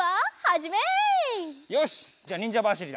じゃあにんじゃばしりだ。